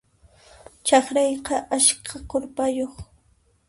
Chakrayqa askha k'urpayuq.